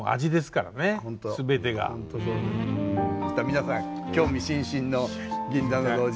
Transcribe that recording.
皆さん興味津々の銀座の路地